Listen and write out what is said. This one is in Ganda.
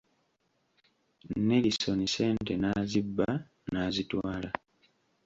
Nelisoni sente n'azibba n'azitwala!